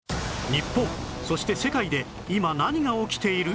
日本そして世界で今何が起きている？